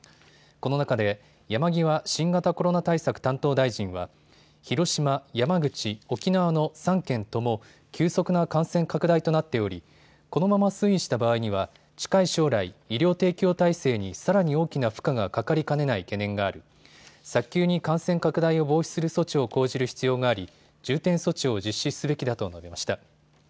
この中で、山際新型コロナ対策担当大臣は、広島、山口、沖縄の３県とも、急速な感染拡大となっており、このまま推移した場合には、近い将来、医療提供体制にさらに大きな負荷がかかりかねない懸念があり、早急に感染拡大を防止する措置を講じる必要があり、重点措置を実施すべきだと述べました。